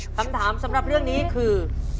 คำถามสำหรับเรื่องนี้คือ